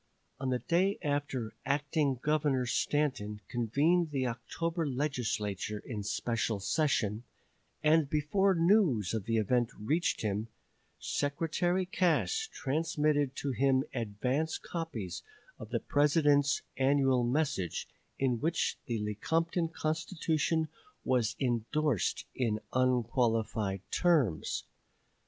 On the day after Acting Governor Stanton convened the October Legislature in special session, and before news of the event reached him, Secretary Cass transmitted to him advance copies of the President's annual message, in which the Lecompton Constitution was indorsed in unqualified terms.